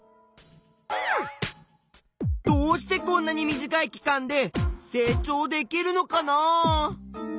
どうしてこんなに短い期間で成長できるのかなあ。